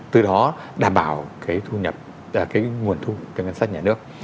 từ đó đảm bảo cái thu nhập cái nguồn thu cái ngân sách nhà nước